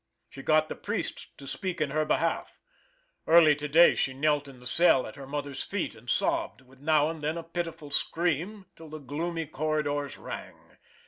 She got the priests to speak in her behalf. Early to day she knelt in the cell at her mother's feet, and sobbed, with now and then a pitiful scream till the gloomy corridors rang.